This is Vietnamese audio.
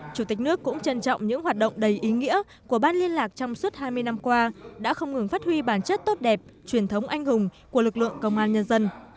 chủ tịch nước cũng trân trọng những hoạt động đầy ý nghĩa của ban liên lạc trong suốt hai mươi năm qua đã không ngừng phát huy bản chất tốt đẹp truyền thống anh hùng của lực lượng công an nhân dân